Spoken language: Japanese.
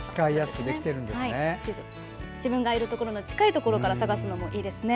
自分がいるところの近いところから探すのもいいですね。